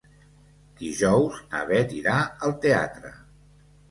Dijous na Beth irà al teatre.